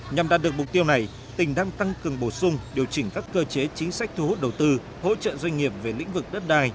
nhằm đạt được mục tiêu này tỉnh đang tăng cường bổ sung điều chỉnh các cơ chế chính sách thu hút đầu tư hỗ trợ doanh nghiệp về lĩnh vực đất đai